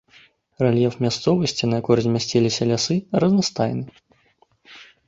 Рэльеф мясцовасці, на якой размясціліся лясы, разнастайны.